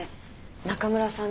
中村さん